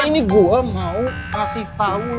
ini gue mau kasih tahu